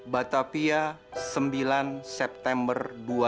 batopia sembilan september dua ribu lima